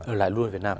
ở lại luôn việt nam